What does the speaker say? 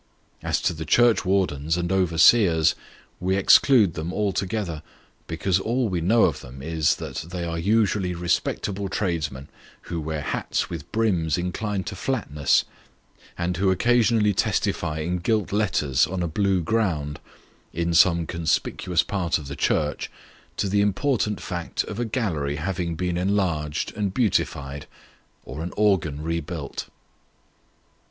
As to the churchwardens and overseers, we exclude them altogether, because all we know of them is, that they are usually respectable tradesmen, who wear hats with brims inclined to flatness, and who occasionally testify in gilt letters on a blue ground, in some conspicuous part of the church, to the important fact of a gallery having been enlarged and beautified, or an organ rebuilt.